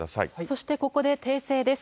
そしてここで訂正です。